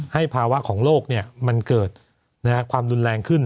ภาวะของโลกมันเกิดความรุนแรงขึ้น